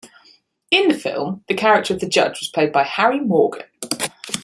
In the film, the character of the judge was played by Harry Morgan.